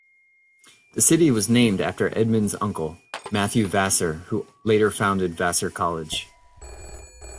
The city was named after Edmund's uncle, Matthew Vassar, who later founded Vassar College.